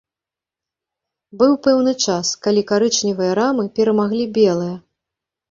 Быў пэўны час, калі карычневыя рамы перамаглі белыя.